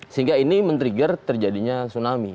sehingga ini men trigger terjadinya tsunami